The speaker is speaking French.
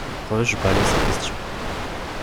Rush balaye sa question.